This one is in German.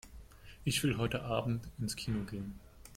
Ich will heute Abend ins Kino gehen.